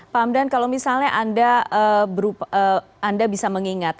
pak hamdan kalau misalnya anda bisa mengingat